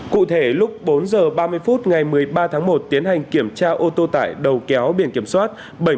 cụ thể lúc bốn h ba mươi phút ngày một mươi ba tháng một tiến hành kiểm tra ô tô tải đầu kéo biển kiểm soát